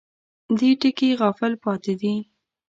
دې ټکي غافل پاتې دي.